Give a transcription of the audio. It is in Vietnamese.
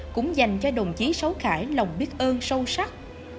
cũng dành cho đồng chí sáu khải lòng biết ơn sâu sắc